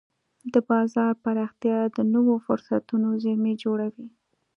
د بازار پراختیا د نوو فرصتونو زېرمې جوړوي.